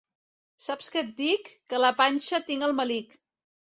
Saps que et dic? —Que a la panxa tinc el melic!